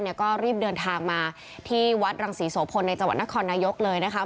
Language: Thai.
ก็รีบเดินทางมาที่วัดรังศรีโสพลในจังหวัดนครนายกเลยนะคะ